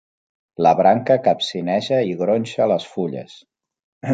La branca capcineja i gronxa les fulles.